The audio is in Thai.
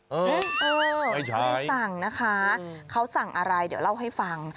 ไม่ได้สั่งนะคะเขาสั่งอะไรเดี๋ยวเล่าให้ฟัง